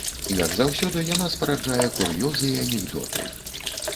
Як заўсёды, яна спараджае кур'ёзы і анекдоты.